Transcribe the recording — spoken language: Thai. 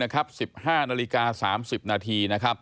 ๑๕นาฬิกา๓๐นาที